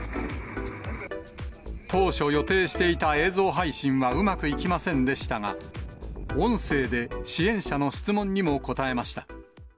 当初、予定していた映像配信はうまくいきませんでしたが、音声で支援者の質問にも答えました。